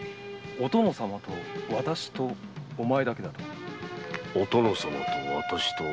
お殿様と私とお前だけ？